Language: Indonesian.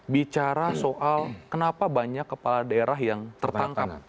bicara soal kenapa banyak kepala daerah yang tertangkap